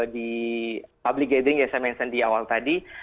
di public gathering yang saya mention di awal tadi